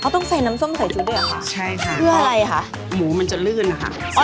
เขาต้องใส่น้ำส้มใสชูด้วยหรอใช่ค่ะเพื่ออะไรค่ะหมูมันจะลื่นค่ะ